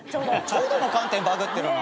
ちょうどの観点バグってるな。